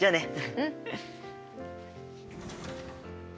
うん。